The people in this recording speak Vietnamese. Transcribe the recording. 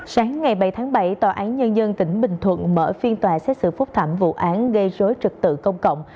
sáng ngày bảy tháng bảy tòa án nhân dân tỉnh bình thuận mở phiên tòa xét xử phúc thẩm vụ án gây rối trực tự công cộng